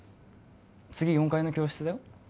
次４階の教室だよ